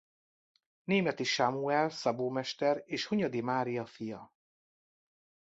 Németi Sámuel szabómester és Hunyadi Mária fia.